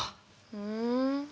ふん。